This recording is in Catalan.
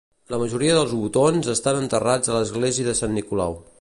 La majoria dels Wottons estan enterrats a l'església de Sant Nicolau.